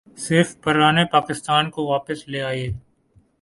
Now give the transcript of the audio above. صرف پرانے پاکستان کو واپس لے آئیے۔